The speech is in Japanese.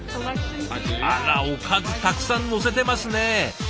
あらおかずたくさんのせてますねえ。